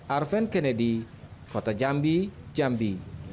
arven kennedy kota jambi jambi